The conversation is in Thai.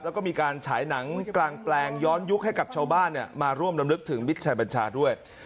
แล้วก็มีการฉายหนังกลางแปลงย้อนยุคให้กับชาวบ้านมาร่วมลำลึกถึงวิชัยบัญชาด้วย